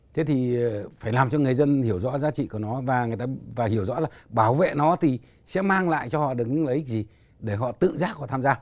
thế thì phải làm cho người dân hiểu rõ giá trị của nó và hiểu rõ là bảo vệ nó thì sẽ mang lại cho họ được những lợi ích gì để họ tự giác họ tham gia